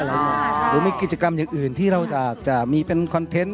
หรือมีกิจกรรมอย่างอื่นที่เราอาจจะมีเป็นคอนเทนต์